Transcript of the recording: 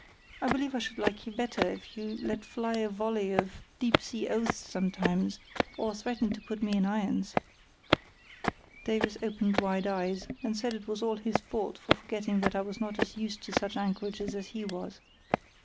I believe I should like you better if you let fly a volley of deep sea oaths sometimes, or threatened to put me in irons." Davies opened wide eyes, and said it was all his fault for forgetting that I was not as used to such anchorages as he was.